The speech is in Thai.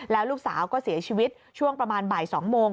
แล้วลูกสาวก็เสียชีวิตช่วงประมาณบ่าย๒โมง